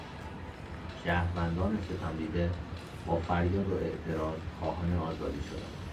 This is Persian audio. شهروندان ستمدیده با فریاد و اعتراض خواهان آزادی شدند.